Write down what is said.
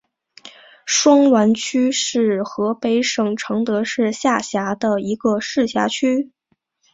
双滦区是河北省承德市下辖的一个市辖区。